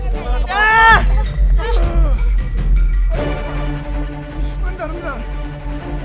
bawa kesempatan ayo